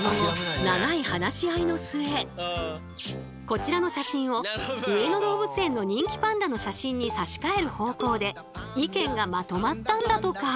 こちらの写真を上野動物園の人気パンダの写真に差し替える方向で意見がまとまったんだとか。